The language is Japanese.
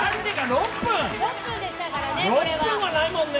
６分はないもんね。